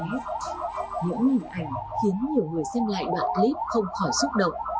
những hình ảnh khiến nhiều người xem lại đoạn clip không khỏi xúc động